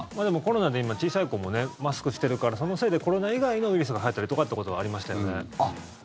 でもコロナで今、小さい子もマスクしてるからそのせいでコロナ以外のウイルスがはやってるとかってことがありましたよね。